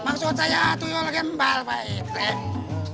maksud saya tuyul gembal pak rt